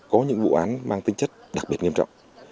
có những vụ án mang tính chất đặc biệt nghiêm trọng